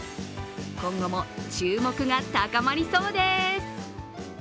今後も注目が高まりそうです。